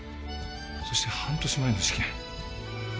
そして半年前の事件。